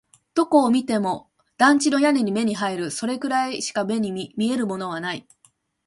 どこを見ても団地の屋根が目に入る。それくらいしか見えるものはない。